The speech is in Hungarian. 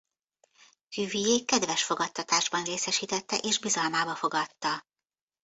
Cuvier kedves fogadtatásban részesítette és bizalmába fogadta.